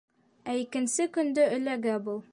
Ә икенсе көндө эләгә был.